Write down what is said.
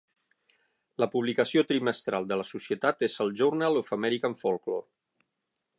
La publicació trimestral de la societat és el "Journal of American Folklore".